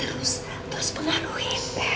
terus terus pengaruhi